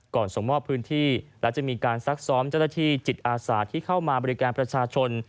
ส่งมอบพื้นที่และจะมีการซักซ้อมเจ้าหน้าที่จิตอาสาที่เข้ามาบริการประชาชน